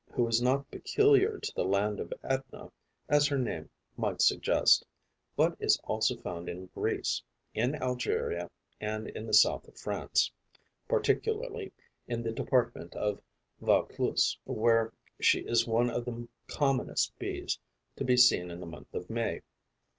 who is not peculiar to the land of Etna, as her name might suggest, but is also found in Greece, in Algeria and in the south of France, particularly in the department of Vaucluse, where she is one of the commonest Bees to be seen in the month of May.